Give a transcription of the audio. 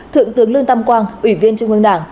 thượng tướng lương tam quang ủy viên trung ương đảng